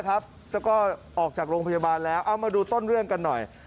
แล้วก็ออกจากโรงพยาบาลแล้วเอามาดูต้นเรื่องกันหน่อย